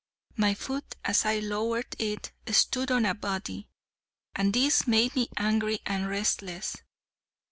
My foot, as I lowered it, stood on a body: and this made me angry and restless.